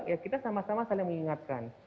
ya kita sama sama saling mengingatkan